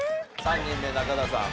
３人目中田さん